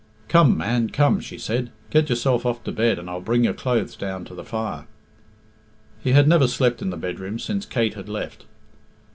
"Come, man, come," she said; "get yourself off to bed and I'll bring your clothes down to the fire." He had never slept in the bedroom since Kate had left.